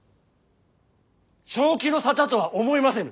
正気の沙汰とは思えませぬ。